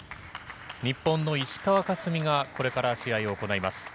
日本の石川佳純がこれから試合を行います。